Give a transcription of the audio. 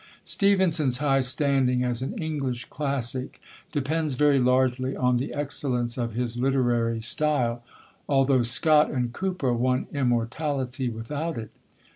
Stevenson's high standing as an English classic depends very largely on the excellence of his literary style, although Scott and Cooper won immortality without it.